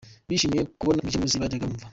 Bishimiye kubona King James bajyaga bumva.